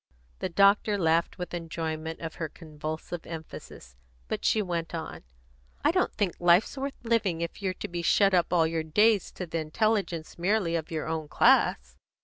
The doctor laughed with enjoyment of her convulsive emphasis; but she went on: "I don't think life's worth living if you're to be shut up all your days to the intelligence merely of your own class."